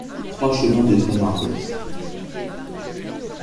trois chemin des Tremardeix